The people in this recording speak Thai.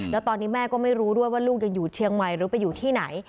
แล้วตอนนี้แม่ก็ไม่รู้ด้วยว่าลูกจะอยู่เชียงใหม่หรือไปอยู่ที่ไหน